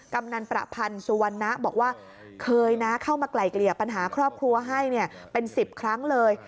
กำนันประพันธ์สุวรรณะบอกว่าเคยนะเข้ามาไกลเกลี่ยปัญหาครอบครัวให้เป็น๑๐ครั้งเลย